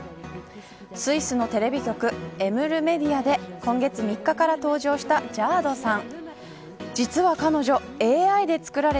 スイスのテレビ局エム・ル・メディアで今月３日から登場したＪａｄｅさん。